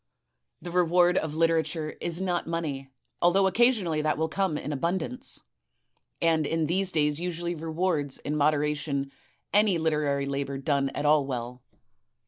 The reward of literature is not money, although occasionally that will come in abundance, and in these days usually rewards in moderation any literary labor done at all well.